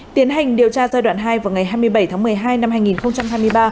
tiến hành điều tra giai đoạn hai vào ngày hai mươi bảy tháng một mươi hai năm hai nghìn hai mươi ba